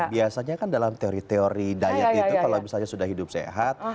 biasanya kan dalam teori teori diet itu kalau misalnya sudah hidup sehat